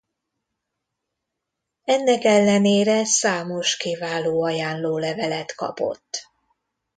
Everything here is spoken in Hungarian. Ennek ellenére számos kiváló ajánlólevelet kapott.